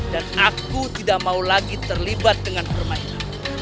dan aku tidak mau lagi terlibat dengan permainanmu